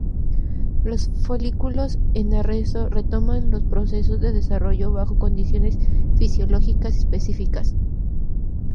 Los folículos en arresto retoman los procesos de desarrollo bajo condiciones fisiológicas específicas.